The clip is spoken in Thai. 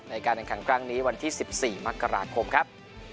ในการแข่งขันครั้งนี้วันที่๑๔มกราคมครับ